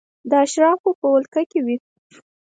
د اشرافو په ولکه کې وې.